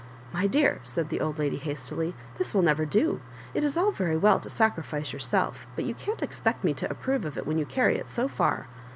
• "My dear," said the old lady, hastily, "this will never do. It is all very well to sacrifice youroslf, but you can't expect me to approve of it when you carry it so &r.